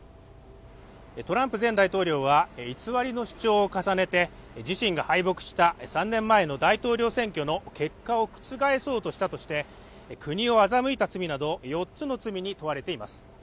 トランプ前大統領は偽りの主張を重ねて自身が敗北した３年前の大統領選挙の結果を覆そうとしたとして国を欺いた罪など４つの罪に問われています